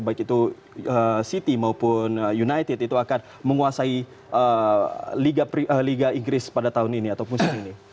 baik itu city maupun united itu akan menguasai liga inggris pada tahun ini ataupun segini